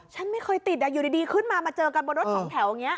ฉันไม่เคยติดอยู่ดีขึ้นมามาเจอกันบนรถสองแถวอย่างนี้